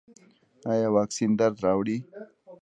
ایا واکسین درد راوړي؟